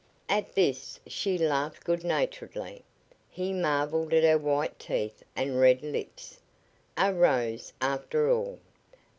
At this she laughed good naturedly. He marveled at her white teeth and red lips. A rose, after all.